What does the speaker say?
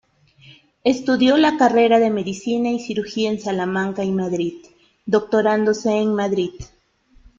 Estudio la carrera de Medicina y Cirugía en Salamanca y Madrid, doctorándose en Madrid.